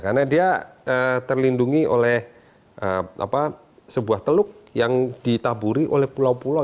karena dia terlindungi oleh sebuah teluk yang ditaburi oleh pulau pulau